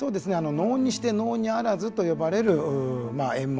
「能にして能にあらず」と呼ばれる演目。